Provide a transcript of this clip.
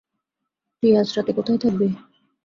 তুই আজ রাতে কোথায় থাকবি?